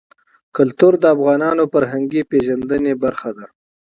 کلتور د افغانانو د فرهنګي پیژندنې برخه ده.